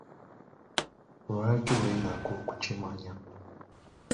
Lwaki weetaaga okukimanya?